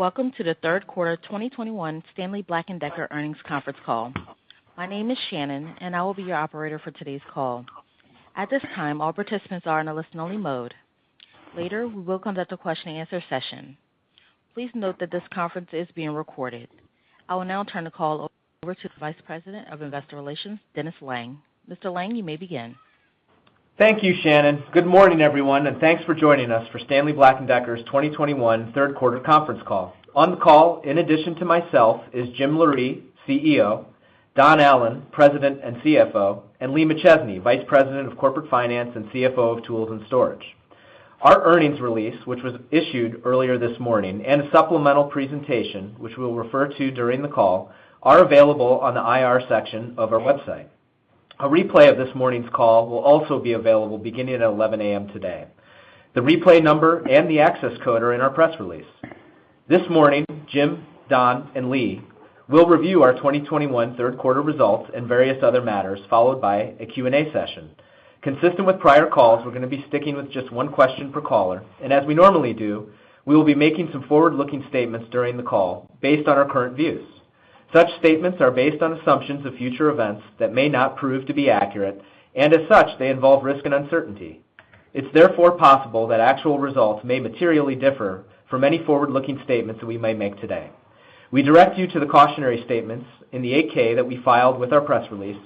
Welcome to the third quarter 2021 Stanley Black & Decker earnings conference call. My name is Shannon, and I will be your operator for today's call. At this time, all participants are in a listen-only mode. Later, we will conduct a question-and-answer session. Please note that this conference is being recorded. I will now turn the call over to the Vice President of Investor Relations, Dennis Lange. Mr. Lange, you may begin. Thank you, Shannon. Good morning, everyone, and thanks for joining us for Stanley Black & Decker's 2021 third quarter conference call. On the call, in addition to myself, is Jim Loree, CEO, Don Allan, President and CFO, and Lee McChesney, Vice President of Corporate Finance and CFO of Tools and Storage. Our earnings release, which was issued earlier this morning, and a supplemental presentation, which we'll refer to during the call, are available on the IR section of our website. A replay of this morning's call will also be available beginning at 11 A.M. today. The replay number and the access code are in our press release. This morning, Jim, Don, and Lee will review our 2021 third quarter results and various other matters, followed by a Q&A session. Consistent with prior calls, we're gonna be sticking with just one question per caller, and as we normally do, we will be making some forward-looking statements during the call based on our current views. Such statements are based on assumptions of future events that may not prove to be accurate, and as such, they involve risk and uncertainty. It's therefore possible that actual results may materially differ from any forward-looking statements that we may make today. We direct you to the cautionary statements in the 8-K that we filed with our press release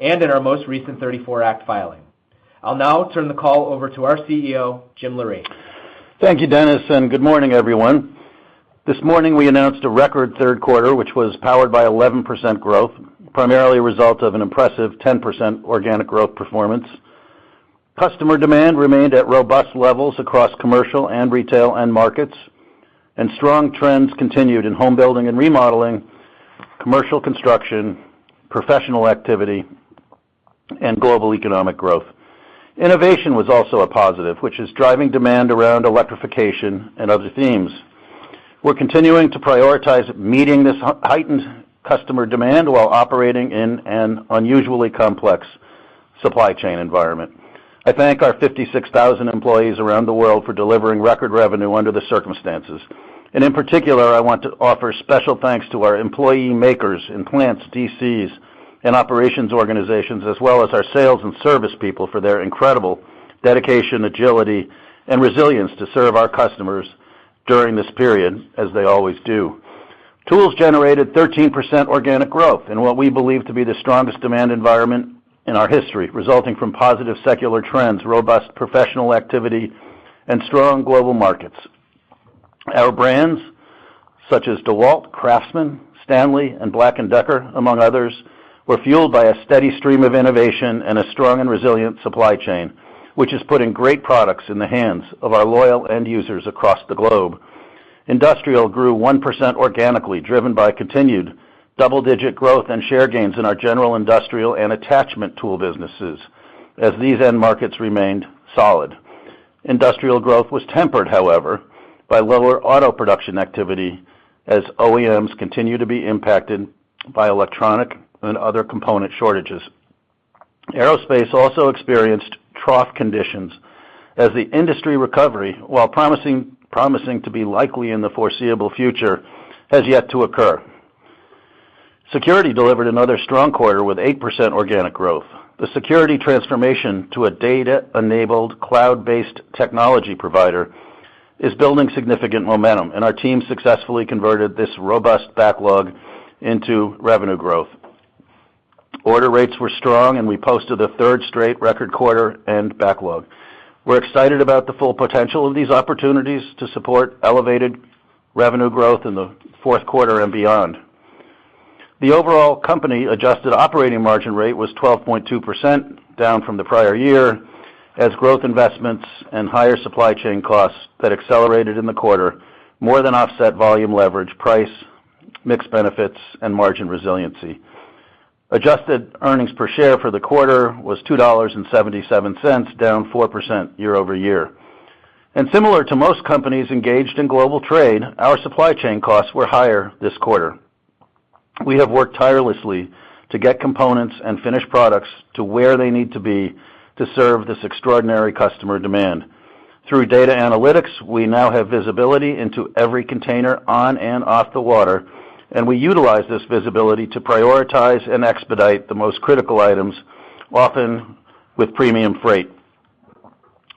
and in our most recent 1934 Act filing. I'll now turn the call over to our CEO, Jim Loree. Thank you, Dennis, and good morning, everyone. This morning, we announced a record third quarter, which was powered by 11% growth, primarily a result of an impressive 10% organic growth performance. Customer demand remained at robust levels across commercial and retail end markets, and strong trends continued in home building and remodeling, commercial construction, professional activity, and global economic growth. Innovation was also a positive, which is driving demand around electrification and other themes. We're continuing to prioritize meeting this heightened customer demand while operating in an unusually complex supply chain environment. I thank our 56,000 employees around the world for delivering record revenue under the circumstances. In particular, I want to offer special thanks to our employee makers in plants, DCs, and operations organizations, as well as our sales and service people for their incredible dedication, agility, and resilience to serve our customers during this period as they always do. Tools generated 13% organic growth in what we believe to be the strongest demand environment in our history, resulting from positive secular trends, robust professional activity, and strong global markets. Our brands, such as DEWALT, CRAFTSMAN, STANLEY, and BLACK+DECKER, among others, were fueled by a steady stream of innovation and a strong and resilient supply chain, which is putting great products in the hands of our loyal end users across the globe. Industrial grew 1% organically, driven by continued double-digit growth and share gains in our general industrial and attachment tool businesses as these end markets remained solid. Industrial growth was tempered, however, by lower auto production activity as OEMs continue to be impacted by electronic and other component shortages. Aerospace also experienced trough conditions as the industry recovery, while promising to be likely in the foreseeable future, has yet to occur. Security delivered another strong quarter with 8% organic growth. The security transformation to a data-enabled, cloud-based technology provider is building significant momentum, and our team successfully converted this robust backlog into revenue growth. Order rates were strong, and we posted a third straight record quarter end backlog. We're excited about the full potential of these opportunities to support elevated revenue growth in the fourth quarter and beyond. The overall company adjusted operating margin rate was 12.2%, down from the prior year, as growth investments and higher supply chain costs that accelerated in the quarter more than offset volume leverage, price mix benefits, and margin resiliency. Adjusted earnings per share for the quarter was $2.77, down 4% year-over-year. Similar to most companies engaged in global trade, our supply chain costs were higher this quarter. We have worked tirelessly to get components and finished products to where they need to be to serve this extraordinary customer demand. Through data analytics, we now have visibility into every container on and off the water, and we utilize this visibility to prioritize and expedite the most critical items, often with premium freight.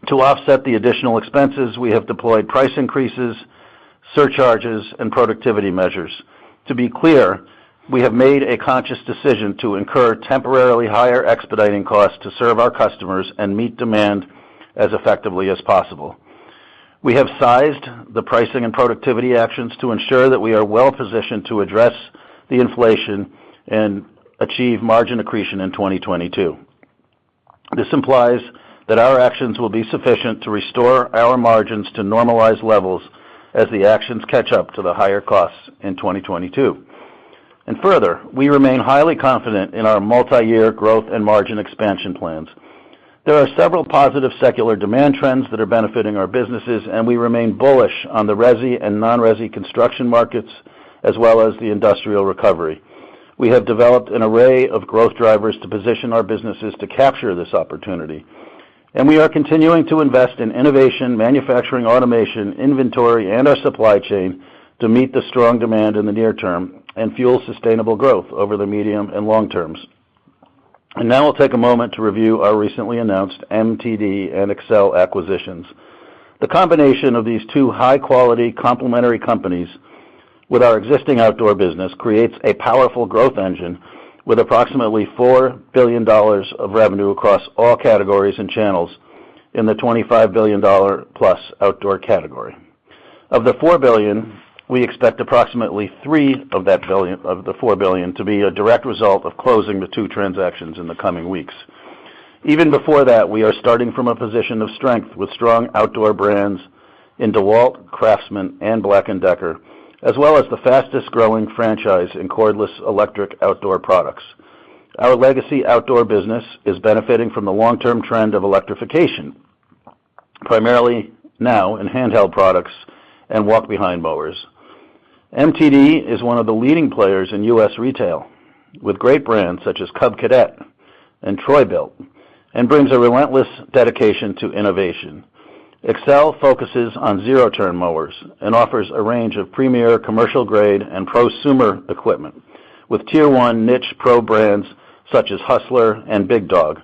To offset the additional expenses, we have deployed price increases, surcharges, and productivity measures. To be clear, we have made a conscious decision to incur temporarily higher expediting costs to serve our customers and meet demand as effectively as possible. We have sized the pricing and productivity actions to ensure that we are well-positioned to address the inflation and achieve margin accretion in 2022. This implies that our actions will be sufficient to restore our margins to normalized levels as the actions catch up to the higher costs in 2022. Further, we remain highly confident in our multiyear growth and margin expansion plans. There are several positive secular demand trends that are benefiting our businesses, and we remain bullish on the resi and non-resi construction markets, as well as the industrial recovery. We have developed an array of growth drivers to position our businesses to capture this opportunity, and we are continuing to invest in innovation, manufacturing, automation, inventory, and our supply chain to meet the strong demand in the near term and fuel sustainable growth over the medium and long terms. Now I'll take a moment to review our recently announced MTD and Excel acquisitions. The combination of these two high-quality complementary companies with our existing outdoor business creates a powerful growth engine with approximately $4 billion of revenue across all categories and channels in the $25+ billion outdoor category. Of the $4 billion, we expect approximately $3 billion of the $4 billion to be a direct result of closing the two transactions in the coming weeks. Even before that, we are starting from a position of strength with strong outdoor brands in DEWALT, CRAFTSMAN, and BLACK+DECKER, as well as the fastest-growing franchise in cordless electric outdoor products. Our legacy outdoor business is benefiting from the long-term trend of electrification, primarily now in handheld products and walk-behind mowers. MTD is one of the leading players in U.S. retail, with great brands such as Cub Cadet and Troy-Bilt, and brings a relentless dedication to innovation. Excel focuses on zero-turn mowers and offers a range of premier commercial-grade and prosumer equipment, with tier one niche pro brands such as Hustler and BigDog.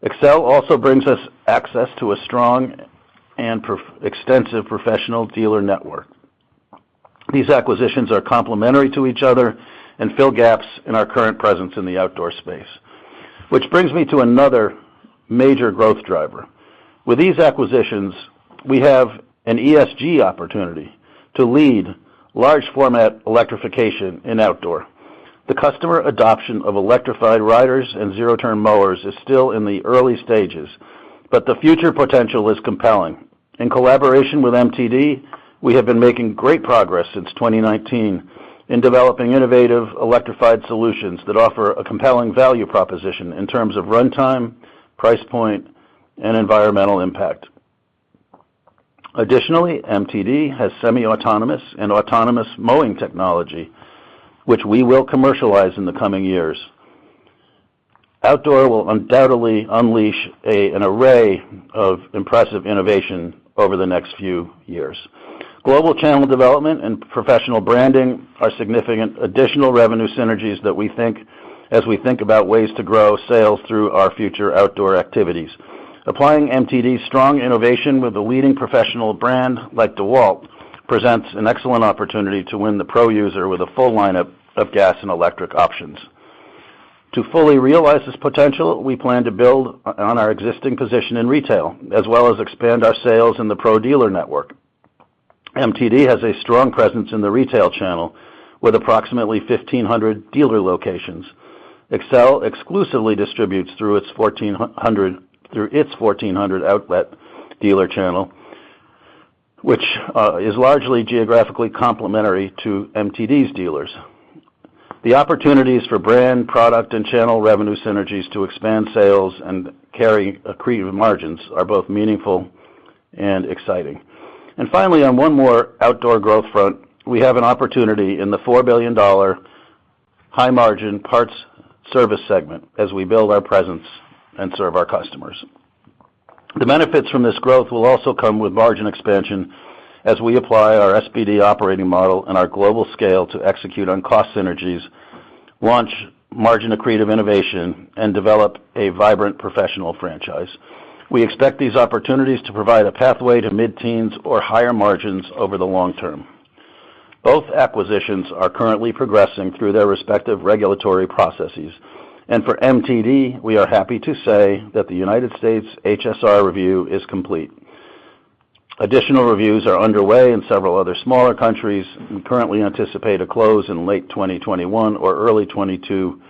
Excel also brings us access to a strong and extensive professional dealer network. These acquisitions are complementary to each other and fill gaps in our current presence in the outdoor space. Which brings me to another major growth driver. With these acquisitions, we have an ESG opportunity to lead large format electrification in outdoor. The customer adoption of electrified riders and zero-turn mowers is still in the early stages, but the future potential is compelling. In collaboration with MTD, we have been making great progress since 2019 in developing innovative electrified solutions that offer a compelling value proposition in terms of runtime, price point, and environmental impact. Additionally, MTD has semi-autonomous and autonomous mowing technology, which we will commercialize in the coming years. Outdoor will undoubtedly unleash an array of impressive innovation over the next few years. Global channel development and professional branding are significant additional revenue synergies that we think about ways to grow sales through our future outdoor activities. Applying MTD's strong innovation with a leading professional brand like DEWALT presents an excellent opportunity to win the pro user with a full lineup of gas and electric options. To fully realize this potential, we plan to build on our existing position in retail, as well as expand our sales in the pro dealer network. MTD has a strong presence in the retail channel with approximately 1,500 dealer locations. Excel exclusively distributes through its 1,400 outlet dealer channel, which is largely geographically complementary to MTD's dealers. The opportunities for brand, product, and channel revenue synergies to expand sales and carry accretive margins are both meaningful and exciting. Finally, on one more outdoor growth front, we have an opportunity in the $4 billion high-margin parts service segment as we build our presence and serve our customers. The benefits from this growth will also come with margin expansion as we apply our SBD operating model and our global scale to execute on cost synergies, launch margin-accretive innovation, and develop a vibrant professional franchise. We expect these opportunities to provide a pathway to mid-teens or higher margins over the long term. Both acquisitions are currently progressing through their respective regulatory processes. For MTD, we are happy to say that the United States HSR review is complete. Additional reviews are underway in several other smaller countries. We currently anticipate a close in late 2021 or early 2022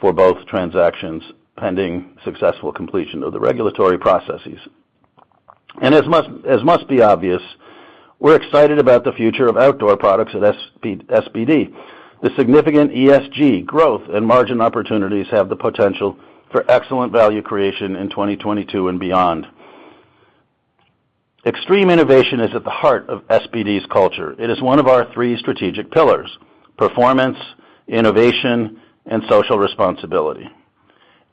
for both transactions, pending successful completion of the regulatory processes. As must be obvious, we're excited about the future of outdoor products at SBD. The significant ESG growth and margin opportunities have the potential for excellent value creation in 2022 and beyond. Extreme innovation is at the heart of SBD's culture. It is one of our three strategic pillars, performance, innovation, and social responsibility.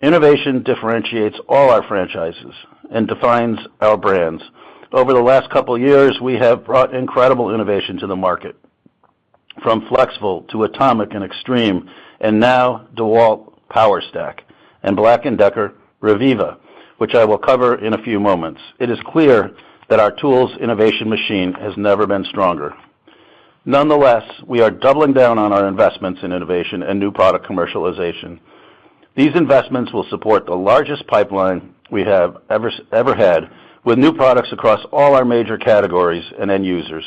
Innovation differentiates all our franchises and defines our brands. Over the last couple years, we have brought incredible innovation to the market, from FLEXVOLT to ATOMIC and XTREME, and now DEWALT POWERSTACK and BLACK+DECKER Reviva, which I will cover in a few moments. It is clear that our tools innovation machine has never been stronger. Nonetheless, we are doubling down on our investments in innovation and new product commercialization. These investments will support the largest pipeline we have ever had with new products across all our major categories and end users.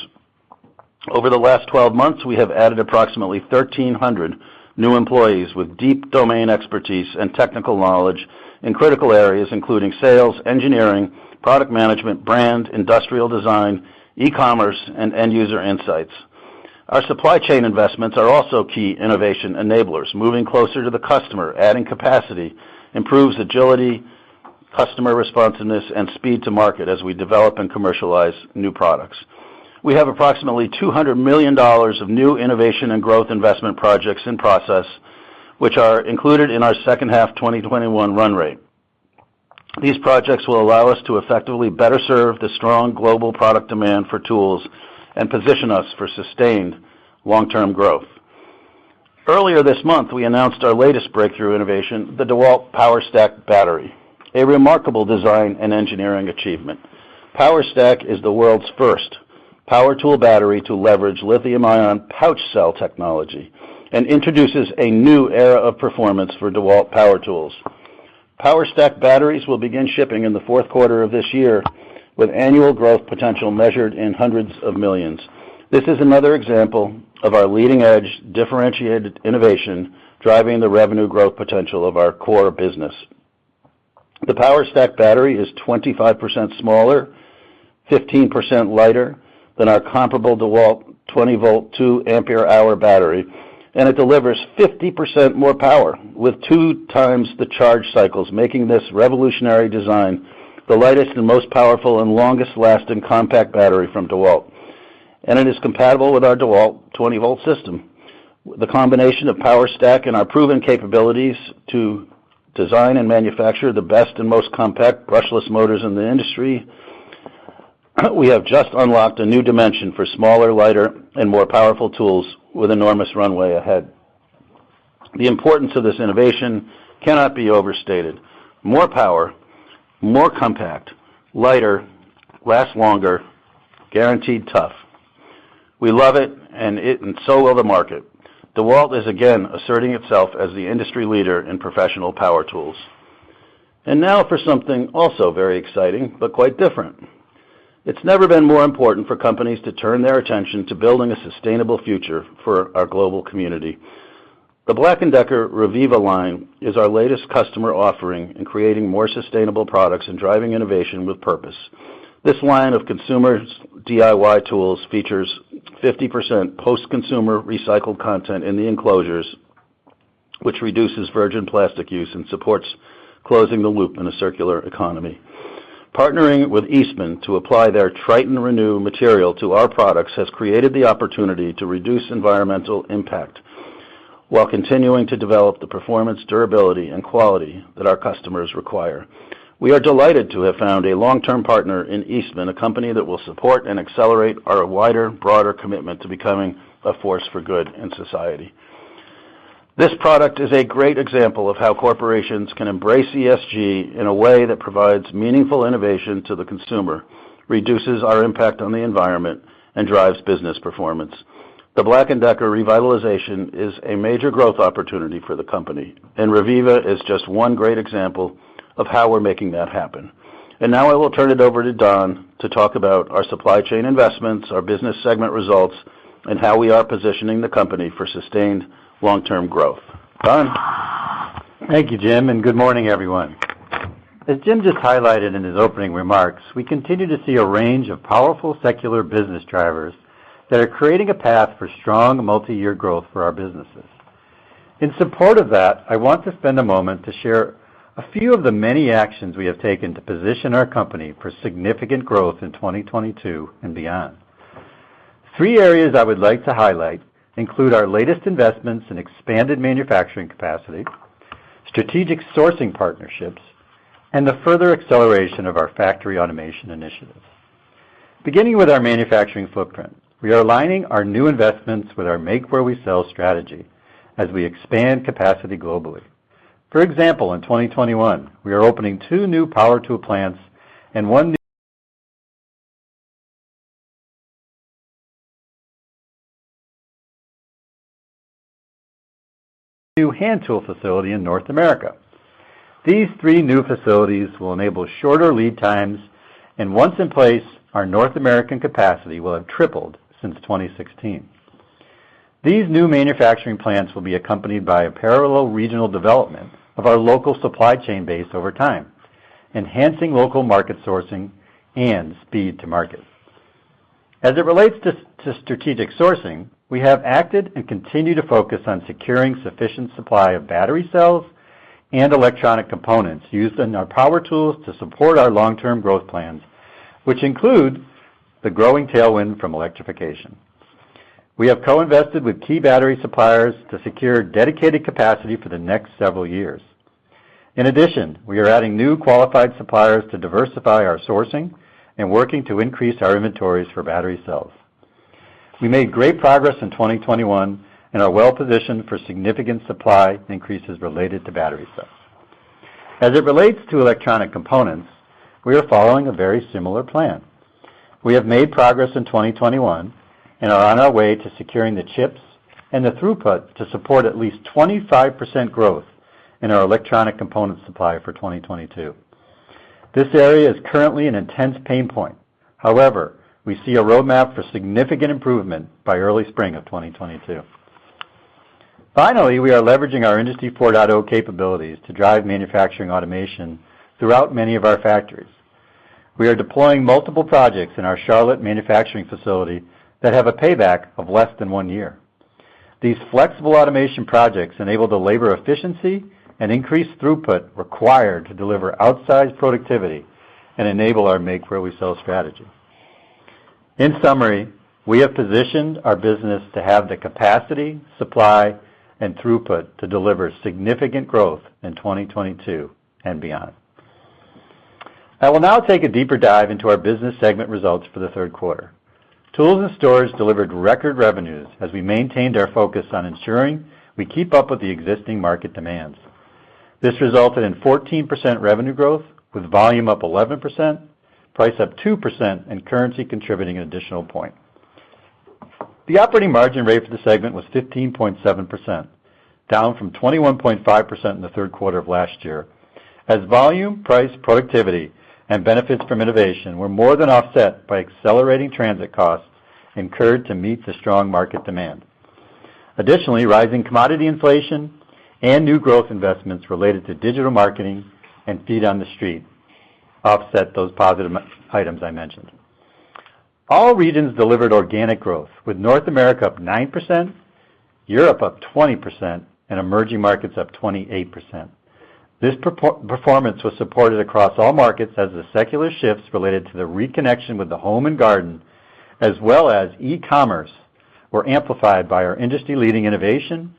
Over the last 12 months, we have added approximately 1,300 new employees with deep domain expertise and technical knowledge in critical areas including sales, engineering, product management, brand, industrial design, e-commerce, and end-user insights. Our supply chain investments are also key innovation enablers. Moving closer to the customer, adding capacity improves agility, customer responsiveness and speed to market as we develop and commercialize new products. We have approximately $200 million of new innovation and growth investment projects in process, which are included in our second half 2021 run rate. These projects will allow us to effectively better serve the strong global product demand for tools and position us for sustained long-term growth. Earlier this month, we announced our latest breakthrough innovation, the DEWALT POWERSTACK battery, a remarkable design and engineering achievement. POWERSTACK is the world's first power tool battery to leverage lithium-ion pouch cell technology and introduces a new era of performance for DEWALT power tools. POWERSTACK batteries will begin shipping in the fourth quarter of this year with annual growth potential measured in hundreds of millions. This is another example of our leading-edge differentiated innovation driving the revenue growth potential of our core business. The POWERSTACK battery is 25% smaller, 15% lighter than our comparable DEWALT 20-volt two-ampere-hour battery, and it delivers 50% more power with two times the charge cycles, making this revolutionary design the lightest and most powerful and longest-lasting compact battery from DEWALT. It is compatible with our DEWALT 20-volt system. The combination of POWERSTACK and our proven capabilities to design and manufacture the best and most compact brushless motors in the industry, we have just unlocked a new dimension for smaller, lighter, and more powerful tools with enormous runway ahead. The importance of this innovation cannot be overstated. More power, more compact, lighter, lasts longer, guaranteed tough. We love it, and so will the market. DEWALT is again asserting itself as the industry leader in professional power tools. Now for something also very exciting but quite different. It's never been more important for companies to turn their attention to building a sustainable future for our global community. The BLACK+DECKER Reviva line is our latest customer offering in creating more sustainable products and driving innovation with purpose. This line of consumer's DIY tools features 50% post-consumer recycled content in the enclosures, which reduces virgin plastic use and supports closing the loop in a circular economy. Partnering with Eastman to apply their Tritan Renew material to our products has created the opportunity to reduce environmental impact while continuing to develop the performance, durability, and quality that our customers require. We are delighted to have found a long-term partner in Eastman, a company that will support and accelerate our wider, broader commitment to becoming a force for good in society. This product is a great example of how corporations can embrace ESG in a way that provides meaningful innovation to the consumer, reduces our impact on the environment, and drives business performance. The BLACK+DECKER revivalization is a major growth opportunity for the company, and Reviva is just one great example of how we're making that happen. Now I will turn it over to Don to talk about our supply chain investments, our business segment results, and how we are positioning the company for sustained long-term growth. Don? Thank you, Jim, and good morning, everyone. As Jim just highlighted in his opening remarks, we continue to see a range of powerful secular business drivers that are creating a path for strong multi-year growth for our businesses. In support of that, I want to spend a moment to share a few of the many actions we have taken to position our company for significant growth in 2022 and beyond. Three areas I would like to highlight include our latest investments in expanded manufacturing capacity, strategic sourcing partnerships, and the further acceleration of our factory automation initiatives. Beginning with our manufacturing footprint, we are aligning our new investments with our make where we sell strategy as we expand capacity globally. For example, in 2021, we are opening two new power tool plants and one new hand tool facility in North America. These three new facilities will enable shorter lead times, and once in place, our North American capacity will have tripled since 2016. These new manufacturing plants will be accompanied by a parallel regional development of our local supply chain base over time, enhancing local market sourcing and speed to market. As it relates to strategic sourcing, we have acted and continue to focus on securing sufficient supply of battery cells and electronic components used in our power tools to support our long-term growth plans, which include the growing tailwind from electrification. We have co-invested with key battery suppliers to secure dedicated capacity for the next several years. In addition, we are adding new qualified suppliers to diversify our sourcing and working to increase our inventories for battery cells. We made great progress in 2021 and are well positioned for significant supply increases related to battery cells. As it relates to electronic components, we are following a very similar plan. We have made progress in 2021 and are on our way to securing the chips and the throughput to support at least 25% growth in our electronic component supply for 2022. This area is currently an intense pain point. However, we see a roadmap for significant improvement by early spring of 2022. Finally, we are leveraging our Industry 4.0 capabilities to drive manufacturing automation throughout many of our factories. We are deploying multiple projects in our Charlotte manufacturing facility that have a payback of less than one year. These flexible automation projects enable the labor efficiency and increased throughput required to deliver outsized productivity and enable our make where we sell strategy. In summary, we have positioned our business to have the capacity, supply, and throughput to deliver significant growth in 2022 and beyond. I will now take a deeper dive into our business segment results for the third quarter. Tools & Storage delivered record revenues as we maintained our focus on ensuring we keep up with the existing market demands. This resulted in 14% revenue growth with volume up 11%, price up 2%, and currency contributing an additional 1%. The operating margin rate for the segment was 15.7%, down from 21.5% in the third quarter of last year. As volume, price, productivity, and benefits from innovation were more than offset by accelerating transit costs incurred to meet the strong market demand. Additionally, rising commodity inflation and new growth investments related to digital marketing and feet on the street offset those positive items I mentioned. All regions delivered organic growth, with North America up 9%, Europe up 20%, and emerging markets up 28%. This superior performance was supported across all markets as the secular shifts related to the reconnection with the home and garden, as well as e-commerce, were amplified by our industry-leading innovation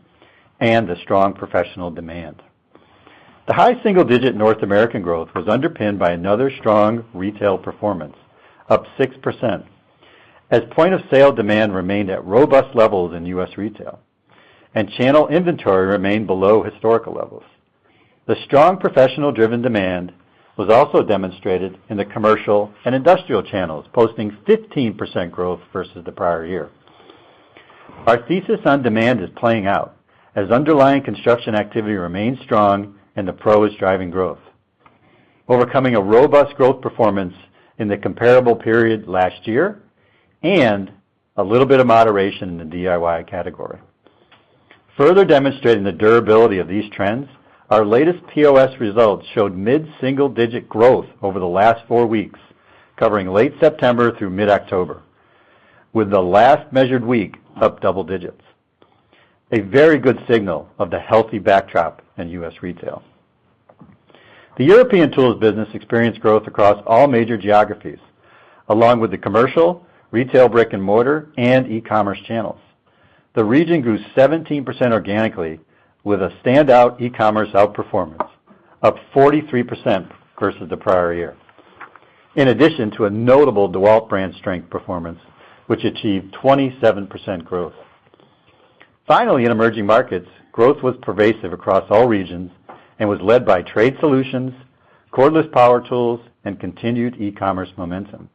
and the strong professional demand. The high single digit North American growth was underpinned by another strong retail performance, up 6%. As point of sale demand remained at robust levels in U.S. retail and channel inventory remained below historical levels. The strong professional-driven demand was also demonstrated in the commercial and industrial channels, posting 15% growth versus the prior year. Our thesis on demand is playing out as underlying construction activity remains strong and the pro is driving growth, overcoming a robust growth performance in the comparable period last year and a little bit of moderation in the DIY category. Further demonstrating the durability of these trends, our latest POS results showed mid-single-digit growth over the last 4 weeks, covering late September through mid-October, with the last measured week up double digits. A very good signal of the healthy backdrop in U.S. retail. The European tools business experienced growth across all major geographies, along with the commercial, retail, brick and mortar, and e-commerce channels. The region grew 17% organically with a standout e-commerce outperformance, up 43% versus the prior year. In addition to a notable DEWALT brand strength performance, which achieved 27% growth. Finally, in emerging markets, growth was pervasive across all regions and was led by trade solutions, cordless power tools, and continued e-commerce momentum.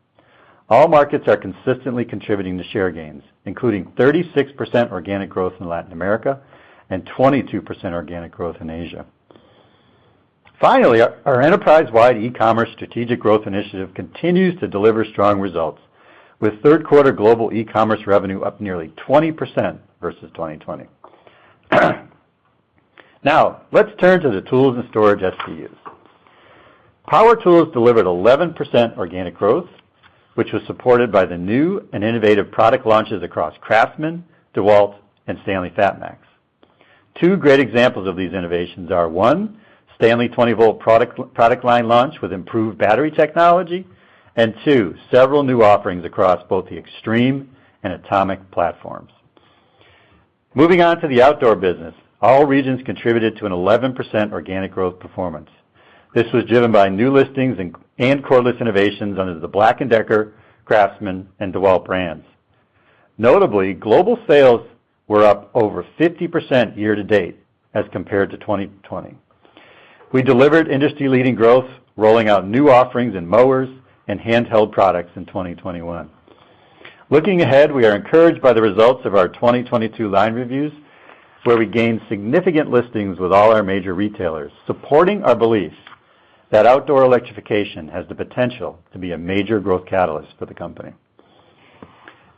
All markets are consistently contributing to share gains, including 36% organic growth in Latin America and 22% organic growth in Asia. Finally, our enterprise-wide e-commerce strategic growth initiative continues to deliver strong results with third quarter global e-commerce revenue up nearly 20% versus 2020. Now, let's turn to the tools and storage SBUs. Power tools delivered 11% organic growth, which was supported by the new and innovative product launches across CRAFTSMAN, DEWALT, and STANLEY FATMAX. Two great examples of these innovations are, one, Stanley 20-volt product line launch with improved battery technology, and two, several new offerings across both the XTREME and ATOMIC platforms. Moving on to the outdoor business. All regions contributed to an 11% organic growth performance. This was driven by new listings and cordless innovations under the BLACK+DECKER, CRAFTSMAN, and DEWALT brands. Notably, global sales were up over 50% year-to-date as compared to 2020. We delivered industry-leading growth, rolling out new offerings in mowers and handheld products in 2021. Looking ahead, we are encouraged by the results of our 2022 line reviews, where we gained significant listings with all our major retailers, supporting our belief that outdoor electrification has the potential to be a major growth catalyst for the company.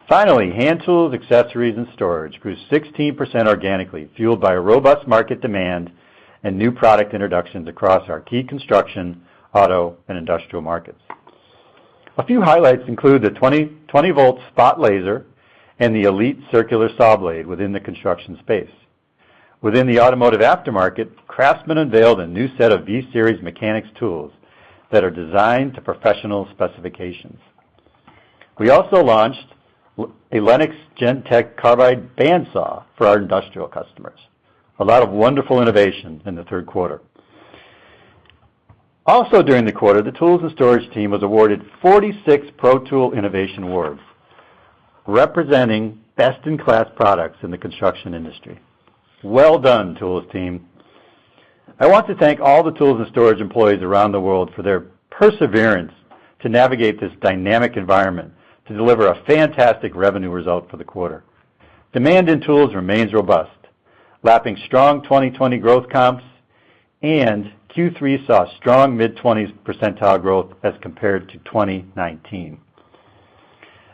Finally, hand tools, accessories, and storage grew 16% organically, fueled by a robust market demand and new product introductions across our key construction, auto, and industrial markets. A few highlights include the 20-volt spot laser and the Elite Circular Saw Blade within the construction space. Within the automotive aftermarket, CRAFTSMAN unveiled a new set of V-Series mechanics tools that are designed to professional specifications. We also launched a LENOX GEN-TECH Carbide Band Saw for our industrial customers. A lot of wonderful innovation in the third quarter. Also, during the quarter, the tools and storage team was awarded 46 Pro Tool Innovation Awards, representing best-in-class products in the construction industry. Well done, tools team. I want to thank all the tools and storage employees around the world for their perseverance to navigate this dynamic environment to deliver a fantastic revenue result for the quarter. Demand in tools remains robust, lapping strong 2020 growth comps and Q3 saw strong mid-20s% growth as compared to 2019.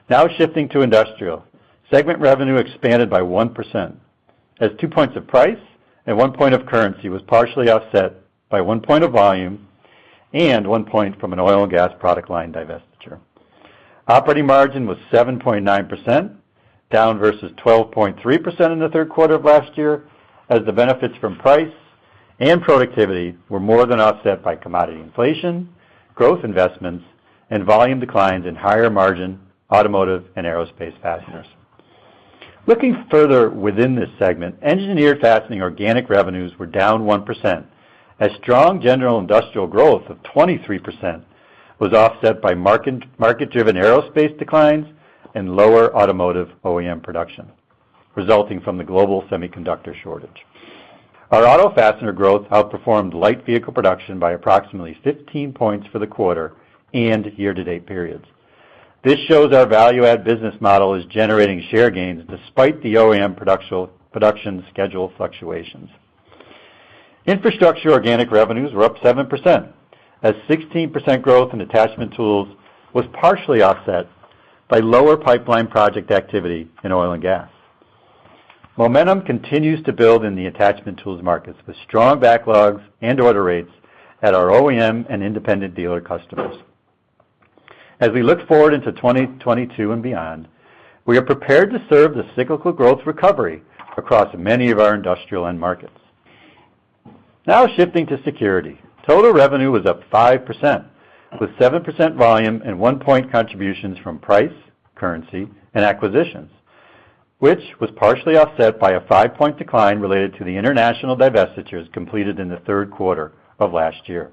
Now shifting to industrial. Segment revenue expanded by 1% as 2 points of price and 1 point of currency was partially offset by one point of volume and 1 point from an oil and gas product line divestiture. Operating margin was 7.9%, down versus 12.3% in the third quarter of last year, as the benefits from price and productivity were more than offset by commodity inflation, growth investments, and volume declines in higher margin automotive and aerospace fasteners. Looking further within this segment, engineered fastening organic revenues were down 1%, as strong general industrial growth of 23% was offset by market driven aerospace declines and lower automotive OEM production, resulting from the global semiconductor shortage. Our auto fastener growth outperformed light vehicle production by approximately 15 points for the quarter and year-to-date periods. This shows our value add business model is generating share gains despite the OEM production schedule fluctuations. Infrastructure organic revenues were up 7%, as 16% growth in attachment tools was partially offset by lower pipeline project activity in oil and gas. Momentum continues to build in the attachment tools markets, with strong backlogs and order rates at our OEM and independent dealer customers. As we look forward into 2022 and beyond, we are prepared to serve the cyclical growth recovery across many of our industrial end markets. Now shifting to security. Total revenue was up 5%, with 7% volume and 1-point contributions from price, currency, and acquisitions, which was partially offset by a five-point decline related to the international divestitures completed in the third quarter of last year.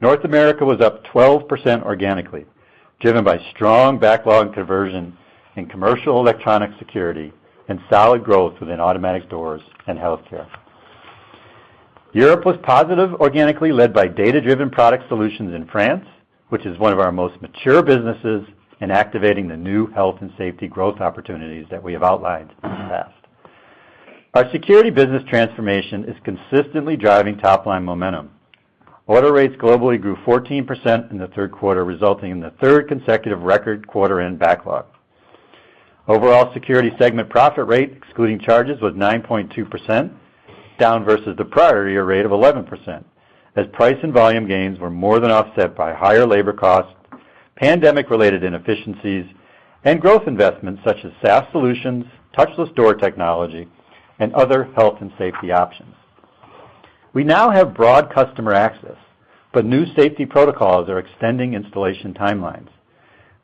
North America was up 12% organically, driven by strong backlog conversion in commercial electronic security and solid growth within automatic doors and healthcare. Europe was positive organically, led by data-driven product solutions in France, which is one of our most mature businesses in activating the new health and safety growth opportunities that we have outlined in the past. Our security business transformation is consistently driving top-line momentum. Order rates globally grew 14% in the third quarter, resulting in the third consecutive record quarter in backlog. Overall security segment profit rate excluding charges was 9.2%, down versus the prior year rate of 11%, as price and volume gains were more than offset by higher labor costs, pandemic-related inefficiencies, and growth investments such as SaaS solutions, touchless door technology, and other health and safety options. We now have broad customer access, but new safety protocols are extending installation timelines.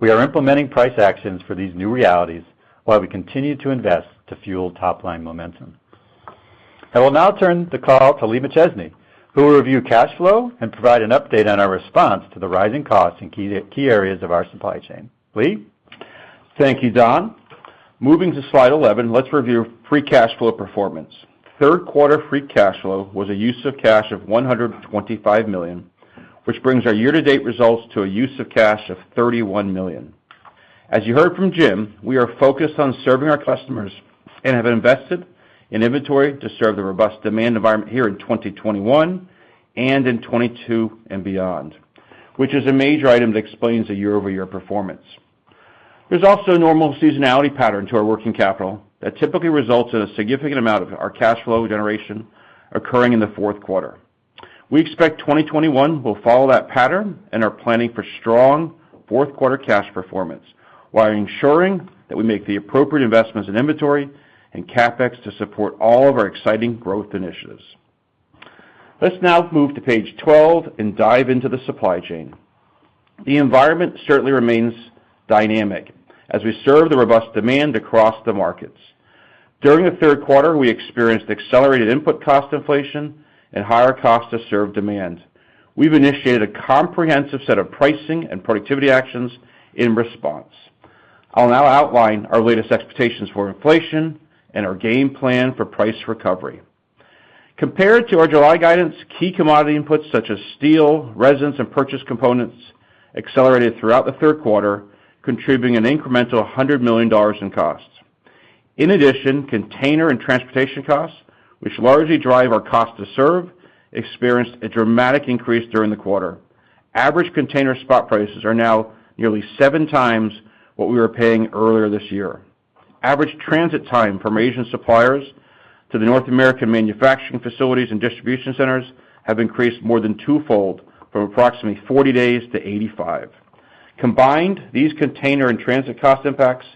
We are implementing price actions for these new realities while we continue to invest to fuel top-line momentum. I will now turn the call to Lee McChesney, who will review cash flow and provide an update on our response to the rising costs in key areas of our supply chain. Lee? Thank you, Don. Moving to slide 11, let's review free cash flow performance. Third quarter free cash flow was a use of cash of $125 million, which brings our year-to-date results to a use of cash of $31 million. As you heard from Jim, we are focused on serving our customers and have invested in inventory to serve the robust demand environment here in 2021 and in 2022 and beyond, which is a major item that explains the year-over-year performance. There's also a normal seasonality pattern to our working capital that typically results in a significant amount of our cash flow generation occurring in the fourth quarter. We expect 2021 will follow that pattern and are planning for strong fourth quarter cash performance while ensuring that we make the appropriate investments in inventory and CapEx to support all of our exciting growth initiatives. Let's now move to page 12 and dive into the supply chain. The environment certainly remains dynamic as we serve the robust demand across the markets. During the third quarter, we experienced accelerated input cost inflation and higher costs to serve demand. We've initiated a comprehensive set of pricing and productivity actions in response. I'll now outline our latest expectations for inflation and our game plan for price recovery. Compared to our July guidance, key commodity inputs such as steel, resins, and purchase components accelerated throughout the third quarter, contributing an incremental $100 million in costs. In addition, container and transportation costs, which largely drive our cost to serve, experienced a dramatic increase during the quarter. Average container spot prices are now nearly seven times what we were paying earlier this year. Average transit time from Asian suppliers to the North American manufacturing facilities and distribution centers have increased more than twofold from approximately 40 days to 85. Combined, these container and transit cost impacts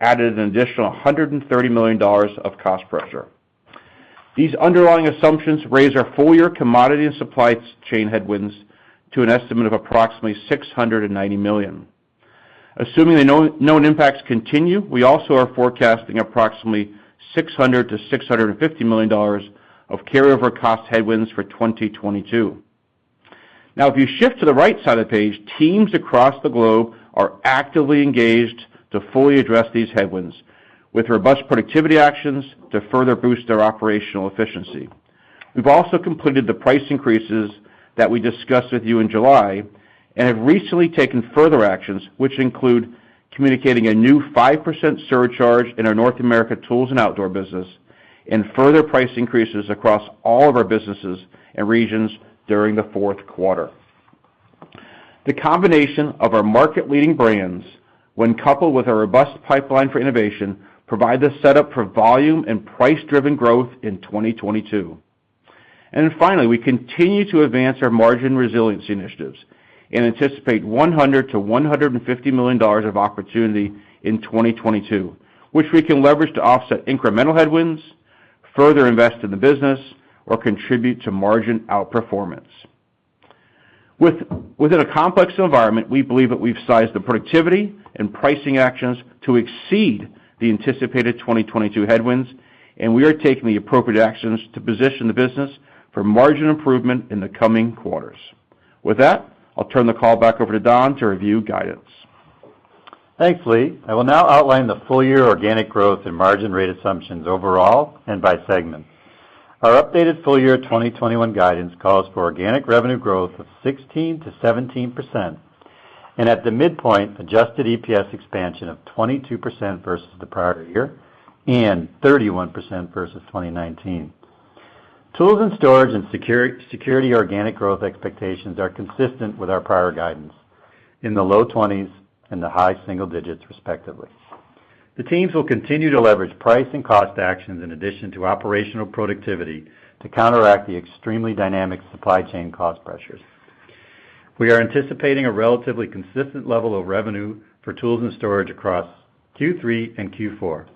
added an additional $130 million of cost pressure. These underlying assumptions raise our full-year commodity and supply chain headwinds to an estimate of approximately $690 million. Assuming the known impacts continue, we also are forecasting approximately $600 million-$650 million of carry-over cost headwinds for 2022. If you shift to the right side of the page, teams across the globe are actively engaged to fully address these headwinds with robust productivity actions to further boost our operational efficiency. We've also completed the price increases that we discussed with you in July and have recently taken further actions, which include communicating a new 5% surcharge in our North America Tools & Outdoor business and further price increases across all of our businesses and regions during the fourth quarter. The combination of our market-leading brands, when coupled with our robust pipeline for innovation, provide the setup for volume and price-driven growth in 2022. Finally, we continue to advance our margin resiliency initiatives and anticipate $100 million-$150 million of opportunity in 2022, which we can leverage to offset incremental headwinds, further invest in the business, or contribute to margin outperformance. Within a complex environment, we believe that we've sized the productivity and pricing actions to exceed the anticipated 2022 headwinds, and we are taking the appropriate actions to position the business for margin improvement in the coming quarters. With that, I'll turn the call back over to Don to review guidance. Thanks, Lee. I will now outline the full year 2021 organic growth and margin rate assumptions overall and by segment. Our updated full year 2021 guidance calls for organic revenue growth of 16%-17%, and at the midpoint, adjusted EPS expansion of 22% versus the prior year and 31% versus 2019. Tools & Storage and Security organic growth expectations are consistent with our prior guidance, in the low 20s and the high single digits, respectively. The teams will continue to leverage price and cost actions in addition to operational productivity to counteract the extremely dynamic supply chain cost pressures. We are anticipating a relatively consistent level of revenue for Tools & Storage across Q3 and Q4,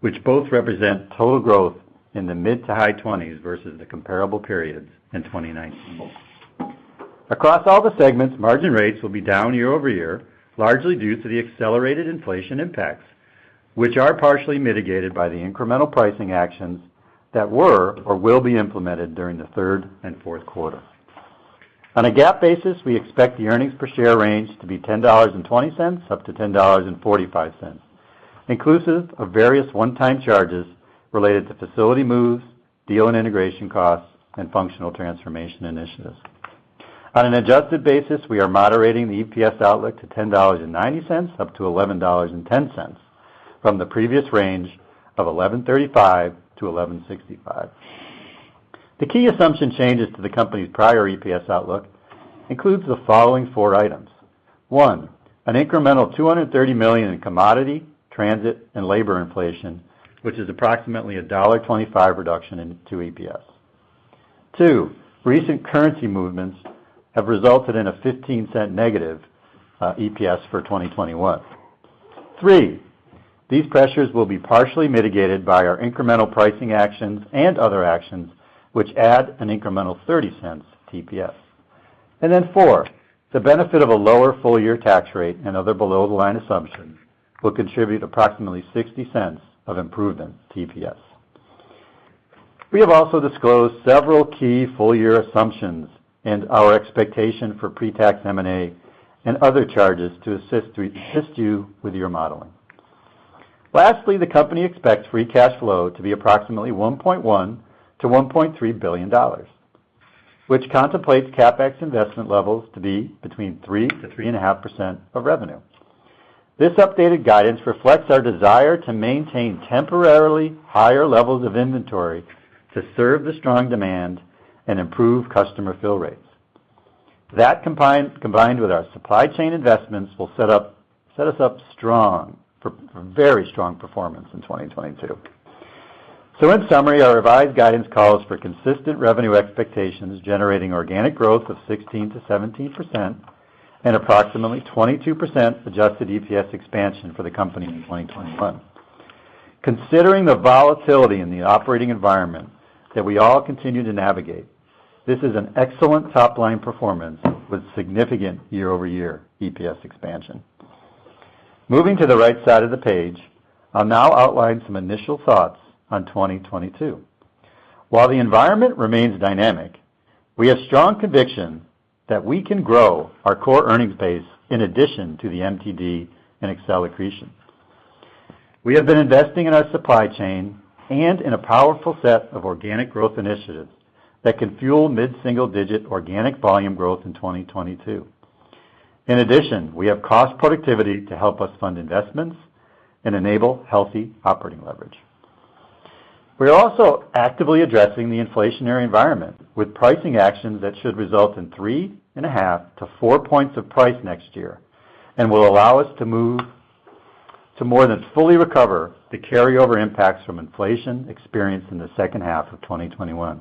which both represent total growth in the mid- to high 20s versus the comparable periods in 2019. Across all the segments, margin rates will be down year over year, largely due to the accelerated inflation impacts, which are partially mitigated by the incremental pricing actions that were or will be implemented during the third and fourth quarter. On a GAAP basis, we expect the earnings per share range to be $10.20-$10.45, inclusive of various one-time charges related to facility moves, deal and integration costs, and functional transformation initiatives. On an adjusted basis, we are moderating the EPS outlook to $10.90-$11.10 from the previous range of $11.35-$11.65. The key assumption changes to the company's prior EPS outlook includes the following four items. One, an incremental $230 million in commodity, transit, and labor inflation, which is approximately a $1.25 reduction to EPS. Two, recent currency movements have resulted in a 15-cent negative EPS for 2021. Three, these pressures will be partially mitigated by our incremental pricing actions and other actions which add an incremental $0.30 EPS. Four, the benefit of a lower full year tax rate and other below-the-line assumptions will contribute approximately $0.60 of improvement to EPS. We have also disclosed several key full year assumptions and our expectation for pre-tax M&A and other charges to assist you with your modeling. Lastly, the company expects free cash flow to be approximately $1.1 billion-$1.3 billion, which contemplates CapEx investment levels to be between 3% and 3.5% of revenue. This updated guidance reflects our desire to maintain temporarily higher levels of inventory to serve the strong demand and improve customer fill rates. That combined with our supply chain investments will set us up strong for very strong performance in 2022. In summary, our revised guidance calls for consistent revenue expectations generating organic growth of 16%-17% and approximately 22% adjusted EPS expansion for the company in 2021. Considering the volatility in the operating environment that we all continue to navigate, this is an excellent top-line performance with significant year-over-year EPS expansion. Moving to the right side of the page, I'll now outline some initial thoughts on 2022. While the environment remains dynamic, we have strong conviction that we can grow our core earnings base in addition to the MTD and Excel accretion. We have been investing in our supply chain and in a powerful set of organic growth initiatives that can fuel mid-single digit organic volume growth in 2022. In addition, we have cost productivity to help us fund investments and enable healthy operating leverage. We are also actively addressing the inflationary environment with pricing actions that should result in 3.5 to four points of price next year and will allow us to more than fully recover the carryover impacts from inflation experienced in the second half of 2021.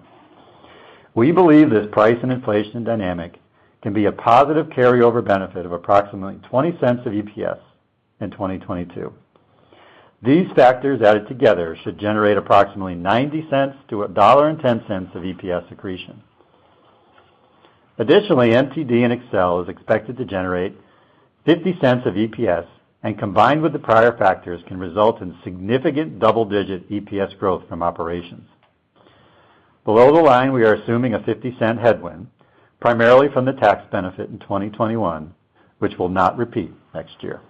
We believe this price and inflation dynamic can be a positive carryover benefit of approximately $0.20 of EPS in 2022. These factors added together should generate approximately $0.90-$1.10 of EPS accretion. Additionally, MTD and Excel are expected to generate $0.50 of EPS, and combined with the prior factors, can result in significant double-digit EPS growth from operations. Below the line, we are assuming a $0.50 headwind, primarily from the tax benefit in 2021, which will not repeat next year.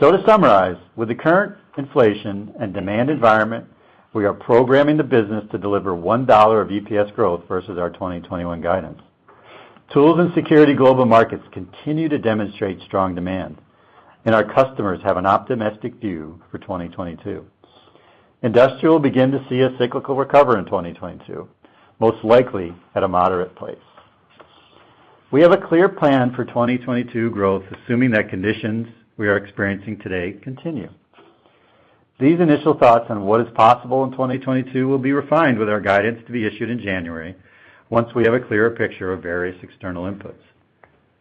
To summarize, with the current inflation and demand environment, we are programming the business to deliver $1 of EPS growth versus our 2021 guidance. Tools and Storage global markets continue to demonstrate strong demand, and our customers have an optimistic view for 2022. Industrials begin to see a cyclical recovery in 2022, most likely at a moderate pace. We have a clear plan for 2022 growth, assuming the conditions we are experiencing today continue. These initial thoughts on what is possible in 2022 will be refined with our guidance to be issued in January once we have a clearer picture of various external inputs.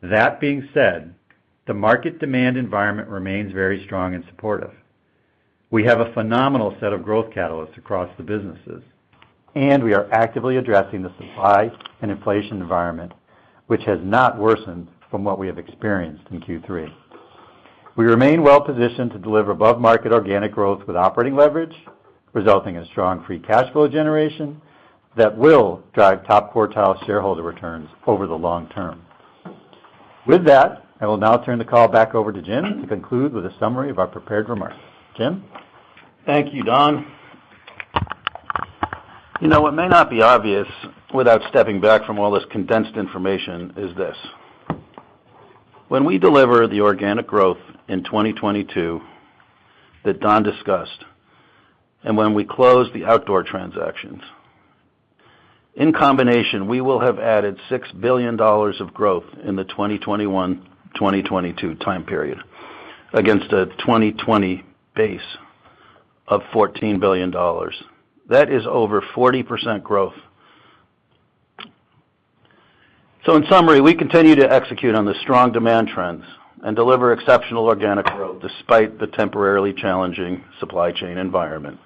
That being said, the market demand environment remains very strong and supportive. We have a phenomenal set of growth catalysts across the businesses, and we are actively addressing the supply and inflation environment, which has not worsened from what we have experienced in Q3. We remain well-positioned to deliver above-market organic growth with operating leverage, resulting in strong free cash flow generation that will drive top-quartile shareholder returns over the long term. With that, I will now turn the call back over to Jim to conclude with a summary of our prepared remarks. Jim? Thank you, Don. You know what may not be obvious without stepping back from all this condensed information is this: when we deliver the organic growth in 2022 that Don discussed, and when we close the outdoor transactions, in combination, we will have added $6 billion of growth in the 2021-2022 time period against a 2020 base of $14 billion. That is over 40% growth. In summary, we continue to execute on the strong demand trends and deliver exceptional organic growth despite the temporarily challenging supply chain environment.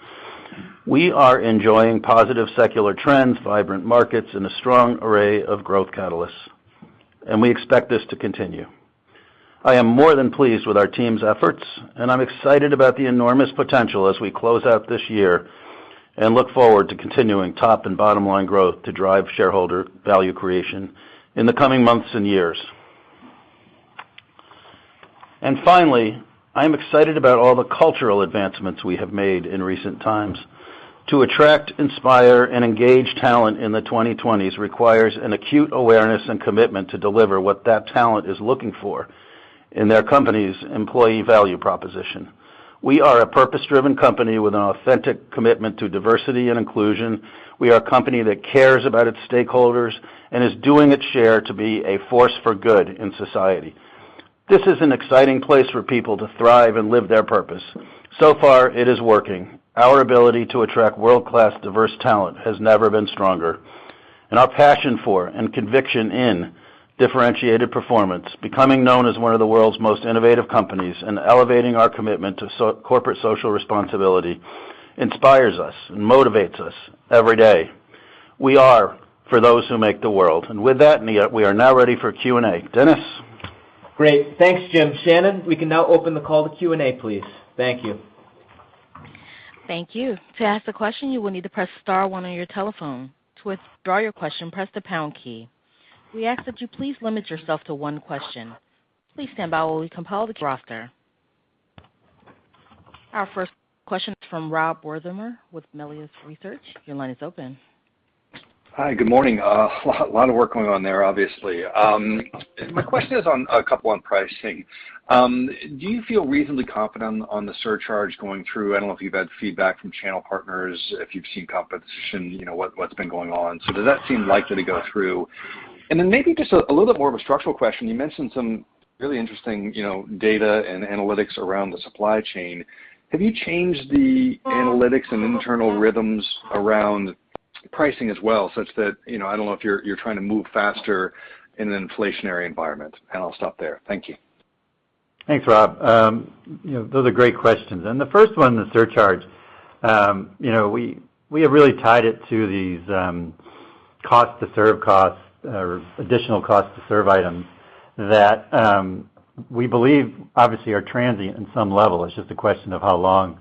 We are enjoying positive secular trends, vibrant markets, and a strong array of growth catalysts, and we expect this to continue. I am more than pleased with our team's efforts, and I'm excited about the enormous potential as we close out this year and look forward to continuing top and bottom-line growth to drive shareholder value creation in the coming months and years. Finally, I'm excited about all the cultural advancements we have made in recent times. To attract, inspire, and engage talent in the 2020s requires an acute awareness and commitment to deliver what that talent is looking for in their company's employee value proposition. We are a purpose-driven company with an authentic commitment to diversity and inclusion. We are a company that cares about its stakeholders and is doing its share to be a force for good in society. This is an exciting place for people to thrive and live their purpose. So far, it is working. Our ability to attract world-class diverse talent has never been stronger, and our passion for and conviction in differentiated performance, becoming known as one of the world's most innovative companies, and elevating our commitment to corporate social responsibility inspires us and motivates us every day. We are for those who make the world. With that, Nia, we are now ready for Q&A. Dennis? Great. Thanks, Jim. Shannon, we can now open the call to Q&A, please. Thank you. Thank you. To ask a question, you will need to press star one on your telephone. To withdraw your question, press the pound key. We ask that you please limit yourself to one question. Please stand by while we compile the roster. Our first question is from Rob Wertheimer with Melius Research. Your line is open. Hi. Good morning. Lot of work going on there, obviously. My question is on a couple on pricing. Do you feel reasonably confident on the surcharge going through? I don't know if you've had feedback from channel partners, if you've seen competition, you know, what's been going on. Does that seem likely to go through? Then maybe just a little bit more of a structural question. You mentioned some really interesting, you know, data and analytics around the supply chain. Have you changed the analytics and internal rhythms around pricing as well, such that, you know, I don't know if you're trying to move faster in an inflationary environment, and I'll stop there. Thank you. Thanks, Rob. You know, those are great questions. The first one, the surcharge, you know, we have really tied it to these cost to serve costs or additional cost to serve items that we believe obviously are transient in some level. It's just a question of how long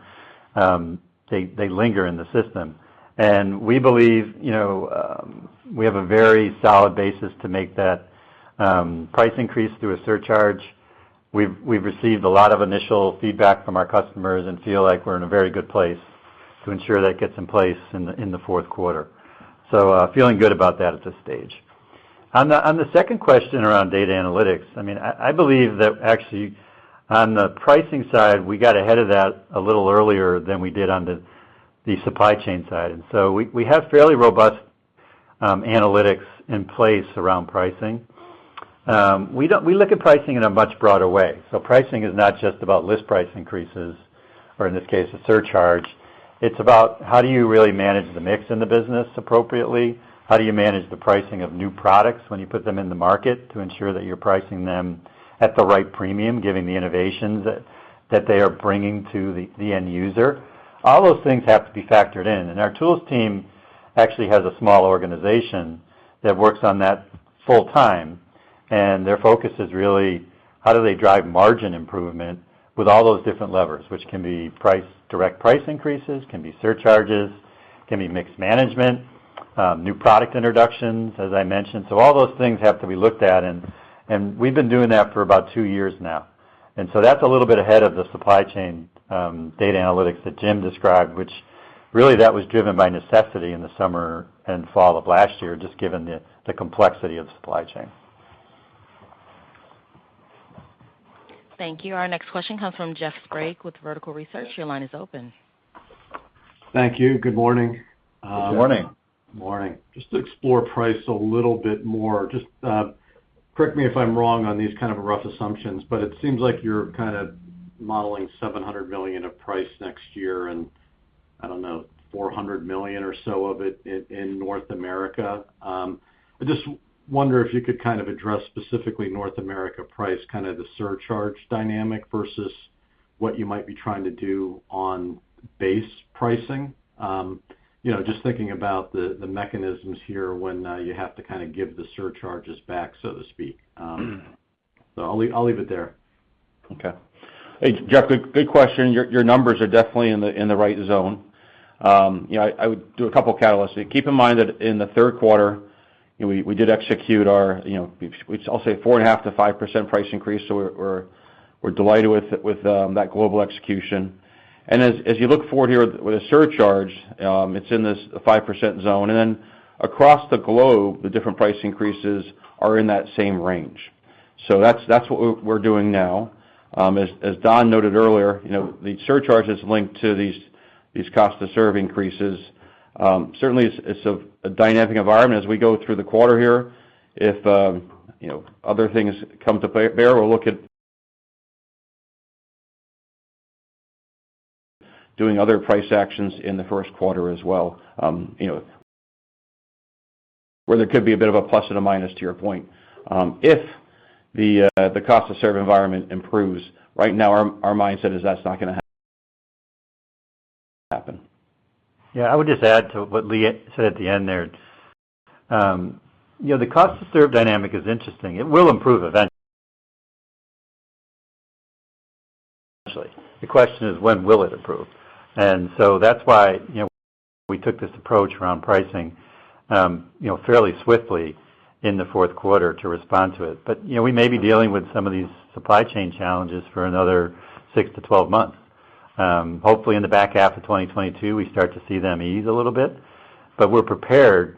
they linger in the system. We believe, you know, we have a very solid basis to make that price increase through a surcharge. We've received a lot of initial feedback from our customers and feel like we're in a very good place to ensure that gets in place in the fourth quarter. Feeling good about that at this stage. On the second question around data analytics, I believe that actually on the pricing side, we got ahead of that a little earlier than we did on the supply chain side. We have fairly robust analytics in place around pricing. We look at pricing in a much broader way, so pricing is not just about list price increases or in this case, a surcharge. It's about how do you really manage the mix in the business appropriately? How do you manage the pricing of new products when you put them in the market to ensure that you're pricing them at the right premium given the innovations that they are bringing to the end user? All those things have to be factored in. Our tools team actually has a small organization that works on that full time, and their focus is really how do they drive margin improvement with all those different levers, which can be price, direct price increases, can be surcharges, can be mixed management, new product introductions, as I mentioned. All those things have to be looked at, and we've been doing that for about two years now. That's a little bit ahead of the supply chain data analytics that Jim described, which really that was driven by necessity in the summer and fall of last year, just given the complexity of supply chain. Thank you. Our next question comes from Jeff Sprague with Vertical Research. Your line is open. Thank you. Good morning. Good morning. Morning. Just to explore price a little bit more, just, correct me if I'm wrong on these kind of rough assumptions, but it seems like you're kind of modeling $700 million of price next year, and I don't know, $400 million or so of it in North America. I just wonder if you could kind of address specifically North America price, kind of the surcharge dynamic versus what you might be trying to do on base pricing. You know, just thinking about the mechanisms here when you have to kind of give the surcharges back, so to speak. I'll leave it there. Okay. Hey, Jeff, good question. Your numbers are definitely in the right zone. You know, I would do a couple catalysts. Keep in mind that in the third quarter, you know, we did execute our, you know, I'll say 4.5%-5% price increase, so we're delighted with that global execution. As you look forward here with the surcharge, it's in this 5% zone. Across the globe, the different price increases are in that same range. That's what we're doing now. As Don noted earlier, you know, the surcharge is linked to these cost to serve increases. Certainly it's a dynamic environment as we go through the quarter here. If you know, other things come to bear, we'll look at doing other price actions in the first quarter as well, you know, where there could be a bit of a plus and a minus to your point, if the cost to serve environment improves. Right now, our mindset is that's not gonna happen. Yeah, I would just add to what Lee said at the end there. You know, the cost to serve dynamic is interesting. It will improve eventually. The question is, when will it improve? That's why, you know, we took this approach around pricing, you know, fairly swiftly in the fourth quarter to respond to it. But, you know, we may be dealing with some of these supply chain challenges for another six to 12 months. Hopefully in the back half of 2022, we start to see them ease a little bit, but we're prepared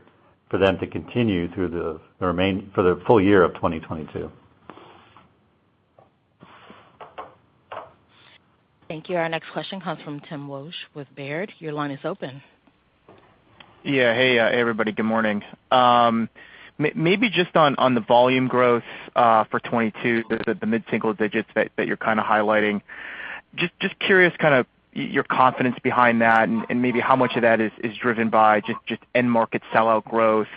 for them to continue for the full year of 2022. Thank you. Our next question comes from Tim Wojs with Baird. Your line is open. Yeah. Hey, everybody. Good morning. Maybe just on the volume growth for 2022, the mid-single digits that you're kind of highlighting. Just curious kind of your confidence behind that and maybe how much of that is driven by just end market sellout growth,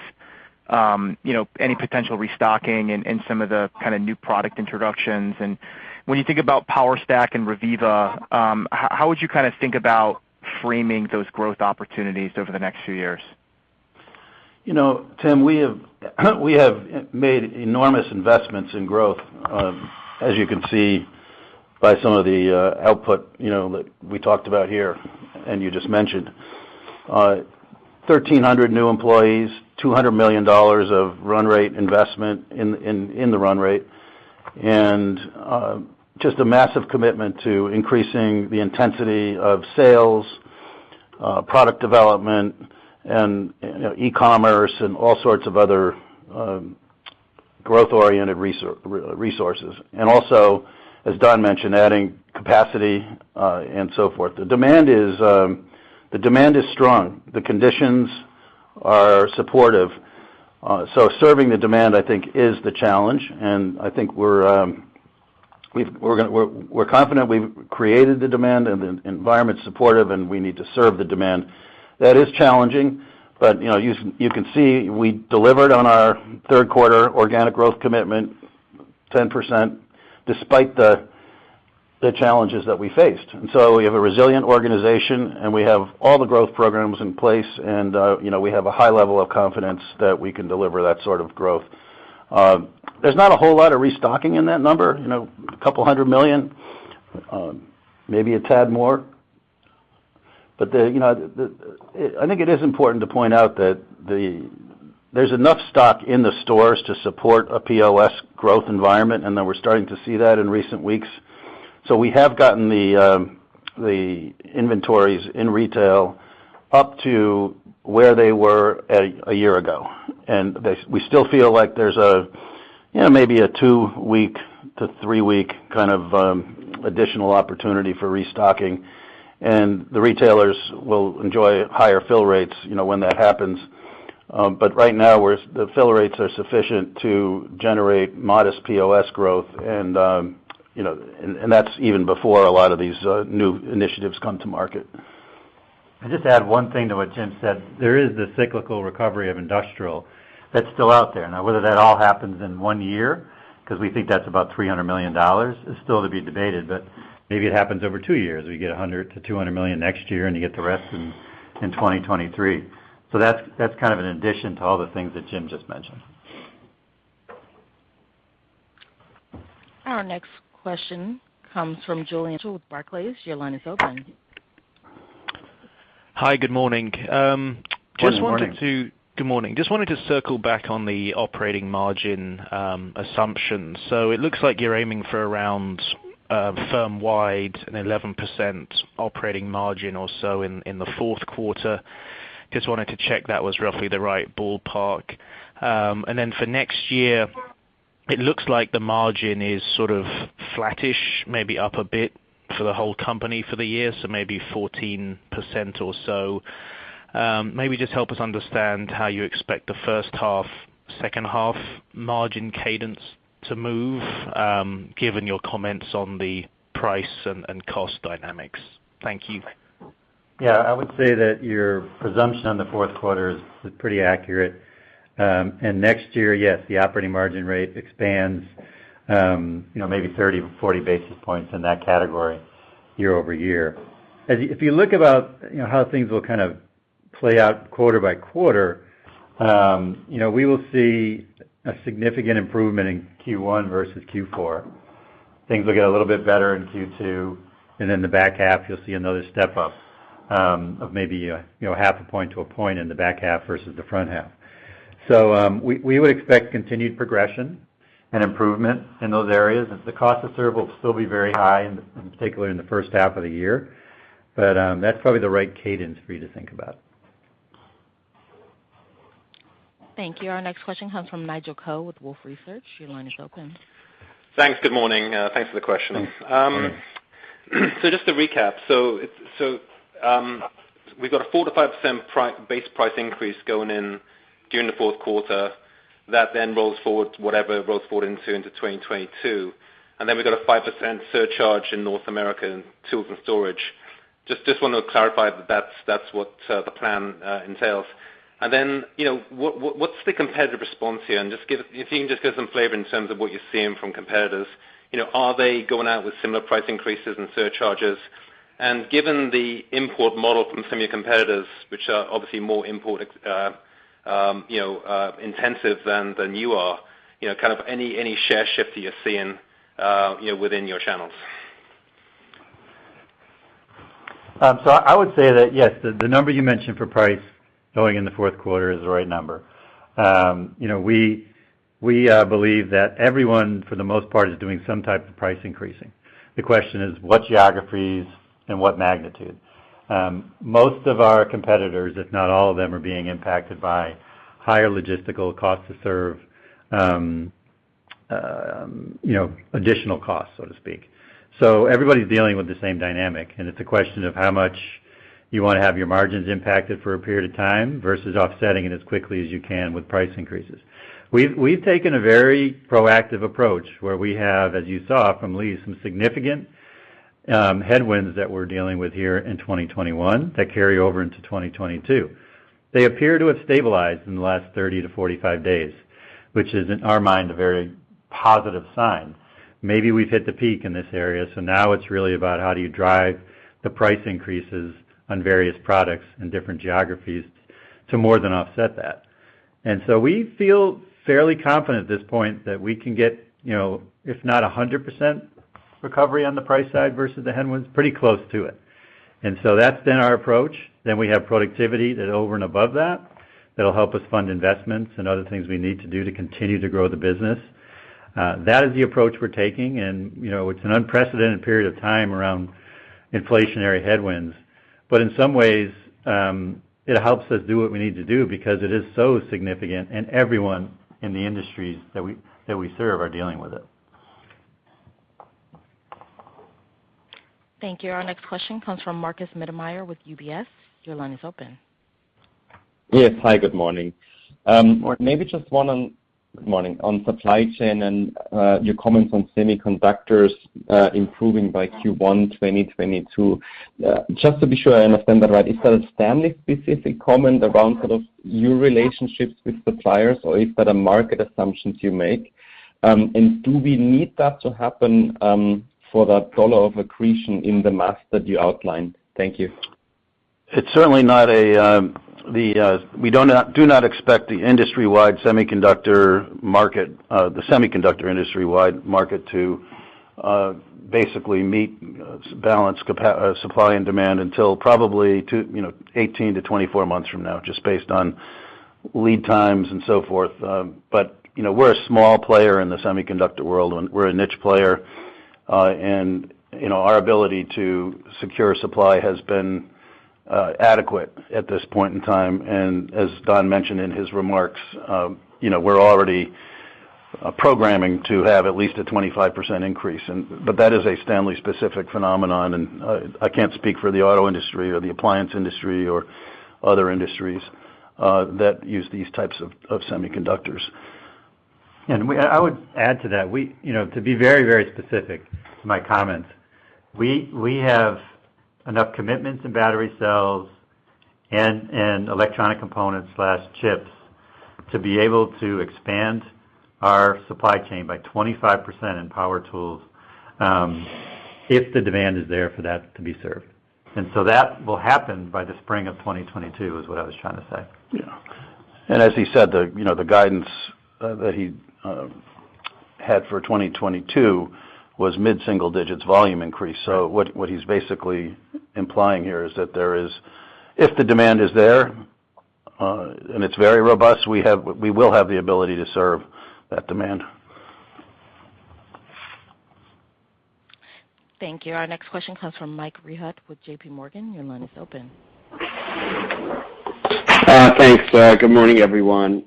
you know, any potential restocking and some of the kind of new product introductions. When you think about POWERSTACK and Reviva, how would you kind of think about framing those growth opportunities over the next few years? You know, Tim, we have made enormous investments in growth, as you can see by some of the output, you know, that we talked about here and you just mentioned. 1,300 new employees, $200 million of run rate investment in the run rate, and just a massive commitment to increasing the intensity of sales, product development and, you know, e-commerce and all sorts of other growth-oriented resources. Also, as Don mentioned, adding capacity, and so forth. The demand is strong. The conditions are supportive. Serving the demand, I think is the challenge, and I think we're confident we've created the demand, and the environment's supportive, and we need to serve the demand. That is challenging, but you know, you can see we delivered on our third quarter organic growth commitment, 10%, despite the challenges that we faced. We have a resilient organization, and we have all the growth programs in place and, you know, we have a high level of confidence that we can deliver that sort of growth. There's not a whole lot of restocking in that number, you know, $200 million, maybe a tad more. You know, I think it is important to point out that there's enough stock in the stores to support a POS growth environment, and then we're starting to see that in recent weeks. We have gotten the inventories in retail up to where they were a year ago, and we still feel like there's a, you know, maybe a two-week to three-week kind of additional opportunity for restocking, and the retailers will enjoy higher fill rates, you know, when that happens. Right now, the fill rates are sufficient to generate modest POS growth and, you know, and that's even before a lot of these new initiatives come to market. I'll just add one thing to what Tim said. There is the cyclical recovery of industrial that's still out there. Now, whether that all happens in one year, 'cause we think that's about $300 million, is still to be debated. Maybe it happens over two years. We get $100 million-$200 million next year, and you get the rest in 2023. That's kind of an addition to all the things that Tim just mentioned. Our next question comes from Julian Mitchell with Barclays. Your line is open. Hi. Good morning. Just wanted to- Good morning. Good morning. Just wanted to circle back on the operating margin assumption. It looks like you're aiming for around firm-wide 11% operating margin or so in the fourth quarter. Just wanted to check that was roughly the right ballpark. Then for next year, it looks like the margin is sort of flattish, maybe up a bit for the whole company for the year, so maybe 14% or so. Maybe just help us understand how you expect the first half, second half margin cadence to move, given your comments on the price and cost dynamics. Thank you. Yeah, I would say that your presumption on the fourth quarter is pretty accurate. Next year, yes, the operating margin rate expands, you know, maybe 30 to 40 basis points in that category year-over-year. If you look about, you know, how things will kind of play out quarter by quarter, you know, we will see a significant improvement in Q1 versus Q4. Things will get a little bit better in Q2, and in the back half you'll see another step up, of maybe, you know, half a point to a point in the back half versus the front half. We would expect continued progression and improvement in those areas. The cost to serve will still be very high, in particular in the first half of the year. That's probably the right cadence for you to think about. Thank you. Our next question comes from Nigel Coe with Wolfe Research. Your line is open. Thanks. Good morning. Thanks for the question. Good morning. Just to recap, we've got a 4%-5% base price increase going in during the fourth quarter. That then rolls forward, whatever rolls forward into 2022. We've got a 5% surcharge in North America in Tools and Storage. Just want to clarify that that's what the plan entails. You know, what's the competitive response here? Just give some flavor in terms of what you're seeing from competitors. You know, are they going out with similar price increases and surcharges? Given the import model from some of your competitors, which are obviously more import intensive than you are, you know, kind of any share shift that you're seeing within your channels. I would say that, yes, the number you mentioned for pricing going in the fourth quarter is the right number. You know, we believe that everyone, for the most part, is doing some type of price increases. The question is, what geographies and what magnitude? Most of our competitors, if not all of them, are being impacted by higher logistics costs to serve, you know, additional costs, so to speak. Everybody's dealing with the same dynamic, and it's a question of how much you want to have your margins impacted for a period of time versus offsetting it as quickly as you can with price increases. We've taken a very proactive approach where we have, as you saw from Lee, some significant headwinds that we're dealing with here in 2021 that carry over into 2022. They appear to have stabilized in the last 30 to 45 days, which is, in our mind, a very positive sign. Maybe we've hit the peak in this area, so now it's really about how do you drive the price increases on various products in different geographies to more than offset that. We feel fairly confident at this point that we can get, you know, if not 100% recovery on the price side versus the headwinds, pretty close to it. That's been our approach. We have productivity that over and above that'll help us fund investments and other things we need to do to continue to grow the business. That is the approach we're taking. You know, it's an unprecedented period of time around inflationary headwinds. In some ways, it helps us do what we need to do because it is so significant and everyone in the industries that we serve are dealing with it. Thank you. Our next question comes from Markus Mittermaier with UBS. Your line is open. Yes. Hi, good morning. Morning. Good morning, on supply chain and your comments on semiconductors improving by Q1 2022. Just to be sure I understand that right, is that a Stanley specific comment around sort of new relationships with suppliers, or is that a market assumptions you make? Do we need that to happen for that dollar of accretion in the math that you outlined? Thank you. We do not expect the semiconductor industry-wide market to basically balance supply and demand until probably 18 to 24 months from now, just based on lead times and so forth. We're a small player in the semiconductor world. We're a niche player, and you know, our ability to secure supply has been adequate at this point in time. As Don mentioned in his remarks, you know, we're already programming to have at least a 25% increase. That is a Stanley specific phenomenon, and I can't speak for the auto industry or the appliance industry or other industries that use these types of semiconductors. I would add to that. We, you know, to be very, very specific to my comments, we have enough commitments in battery cells and electronic components and chips to be able to expand our supply chain by 25% in power tools, if the demand is there for that to be served. That will happen by the spring of 2022, is what I was trying to say. As he said, you know, the guidance that he had for 2022 was mid-single digits volume increase. What he's basically implying here is that there is, if the demand is there, and it's very robust, we will have the ability to serve that demand. Thank you. Our next question comes from Michael Rehaut with JPMorgan. Your line is open. Thanks. Good morning, everyone.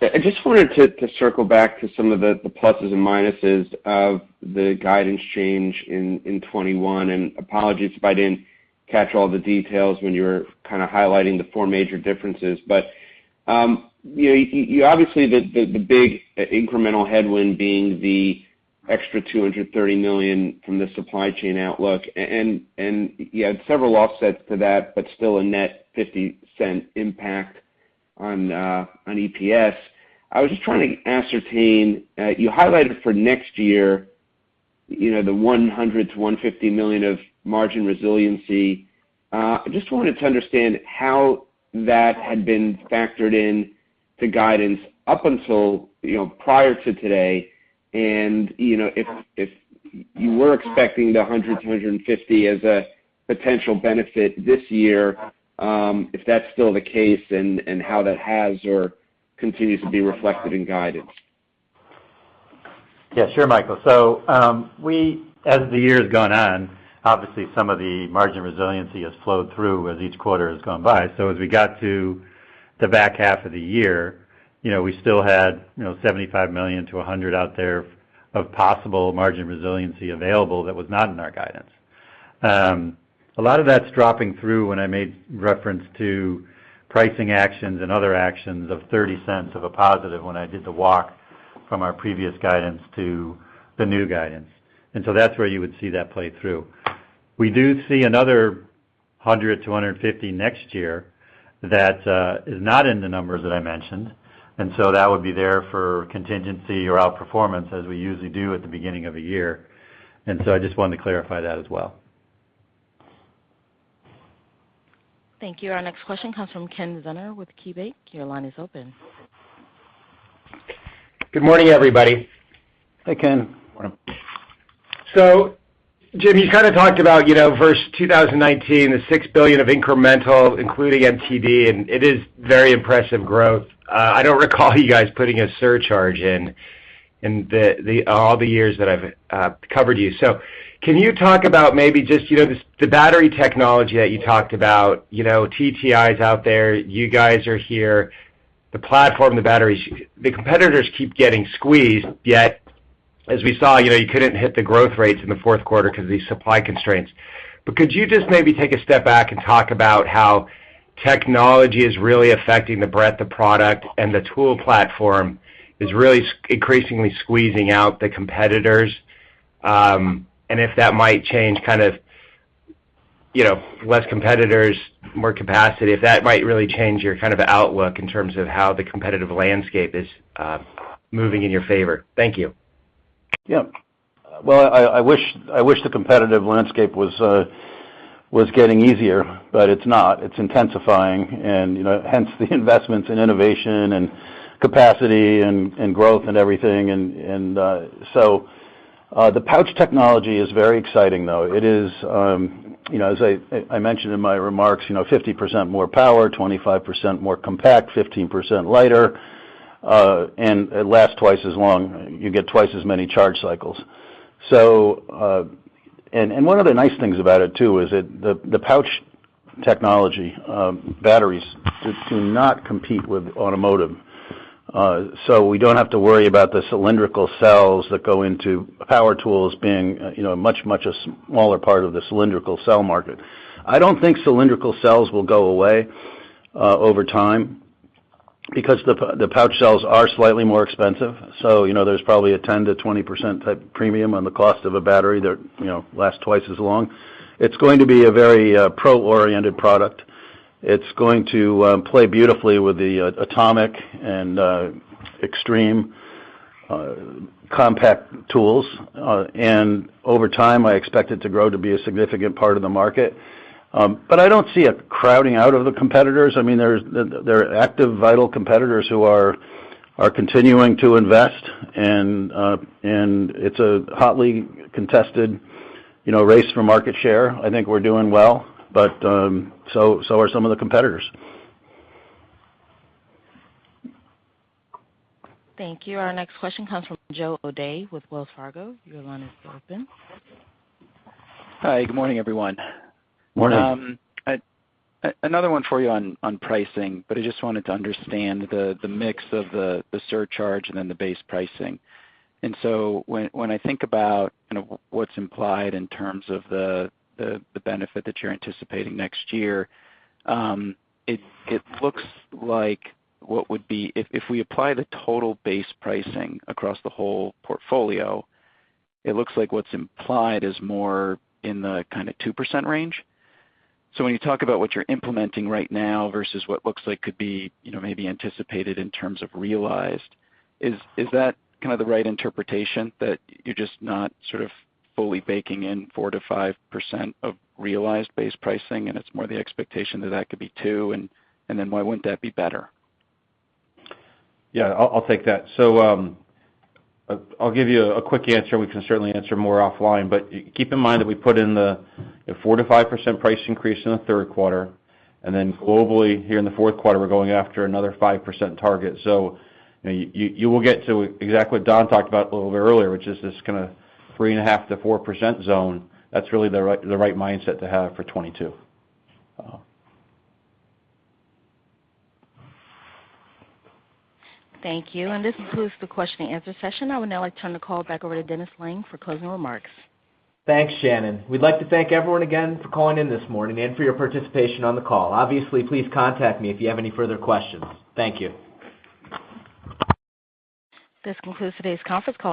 I just wanted to circle back to some of the pluses and minuses of the guidance change in 2021. Apologies if I didn't catch all the details when you were kinda highlighting the four major differences. You obviously, the big incremental headwind being the extra $230 million from the supply chain outlook and you had several offsets to that, but still a net $0.50 impact on EPS. I was just trying to ascertain, you highlighted for next year, you know, the $100 million-$150 million of margin resiliency. I just wanted to understand how that had been factored in to guidance up until, you know, prior to today. You know, if you were expecting the $100-$150 as a potential benefit this year, if that's still the case and how that has or continues to be reflected in guidance? Yeah, sure, Michael. We, as the year has gone on, obviously some of the margin resiliency has flowed through as each quarter has gone by. As we got to the back half of the year, you know, we still had, you know, $75 million-$100 million out there of possible margin resiliency available that was not in our guidance. A lot of that's dropping through when I made reference to pricing actions and other actions of $0.30 of a positive when I did the walk from our previous guidance to the new guidance. That's where you would see that play through. We do see another $100 million-$150 million next year that is not in the numbers that I mentioned. That would be there for contingency or outperformance as we usually do at the beginning of a year. I just wanted to clarify that as well. Thank you. Our next question comes from Ken Zener with KeyBanc. Your line is open. Good morning, everybody. Hey, Ken. Morning. Jim, you kind of talked about, you know, versus 2019, the $6 billion of incremental, including MTD, and it is very impressive growth. I don't recall you guys putting a surcharge in the all the years that I've covered you. Can you talk about maybe just, you know, the battery technology that you talked about. You know, TTI is out there, you guys are here. The platform, the batteries, the competitors keep getting squeezed, yet, as we saw, you know, you couldn't hit the growth rates in the fourth quarter because of these supply constraints. Could you just maybe take a step back and talk about how technology is really affecting the breadth of product and the tool platform is really increasingly squeezing out the competitors? if that might change kind of, you know, less competitors, more capacity, if that might really change your kind of outlook in terms of how the competitive landscape is moving in your favor? Thank you. Yeah. Well, I wish the competitive landscape was getting easier, but it's not. It's intensifying and, you know, hence the investments in innovation and capacity and growth and everything. The pouch technology is very exciting, though. It is, you know, as I mentioned in my remarks, you know, 50% more power, 25% more compact, 15% lighter, and it lasts twice as long. You get twice as many charge cycles. One of the nice things about it, too, is the pouch technology batteries do not compete with automotive. We don't have to worry about the cylindrical cells that go into power tools being, you know, a smaller part of the cylindrical cell market. I don't think cylindrical cells will go away over time because the pouch cells are slightly more expensive. You know, there's probably a 10%-20% type premium on the cost of a battery that, you know, lasts twice as long. It's going to be a very pro-oriented product. It's going to play beautifully with the ATOMIC and XTREME compact tools. Over time, I expect it to grow to be a significant part of the market. But I don't see it crowding out the competitors. I mean, there are active, vital competitors who are continuing to invest and it's a hotly contested, you know, race for market share. I think we're doing well, but so are some of the competitors. Thank you. Our next question comes from Joe O'Dea with Wells Fargo. Your line is open. Hi, good morning, everyone. Morning. Another one for you on pricing, but I just wanted to understand the mix of the surcharge and then the base pricing. When I think about kind of what's implied in terms of the benefit that you're anticipating next year, it looks like what would be, if we apply the total base pricing across the whole portfolio, it looks like what's implied is more in the kinda 2% range. When you talk about what you're implementing right now versus what looks like could be, you know, maybe anticipated in terms of realized, is that kinda the right interpretation? That you're just not sort of fully baking in 4%-5% of realized base pricing and it's more the expectation that that could be 2%, and then why wouldn't that be better? Yeah, I'll take that. I'll give you a quick answer. We can certainly answer more offline. Keep in mind that we put in the 4%-5% price increase in the third quarter, and then globally here in the fourth quarter, we're going after another 5% target. You know, you will get to exactly what Don talked about a little bit earlier, which is this kinda 3.5%-4% zone. That's really the right mindset to have for 2022. Thank you. This concludes the question and answer session. I would now like to turn the call back over to Dennis Lange for closing remarks. Thanks, Shannon. We'd like to thank everyone again for calling in this morning and for your participation on the call. Obviously, please contact me if you have any further questions. Thank you. This concludes today's conference call.